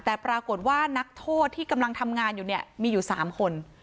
แต่ปรากฏว่านักโทษที่กำลังทำงานอยู่เนี่ยมีอยู่๓คน